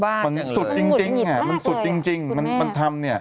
บ้าจังเลยมันสุดจริงจริงอ่ะมันสุดจริงจริงคุณแม่มันทำเนี่ย